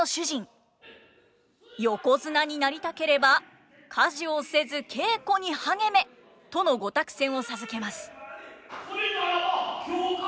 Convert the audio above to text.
「横綱になりたければ家事をせず稽古に励め」との御託宣を授けます。